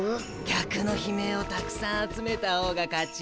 客の悲鳴をたくさん集めたほうが勝ち。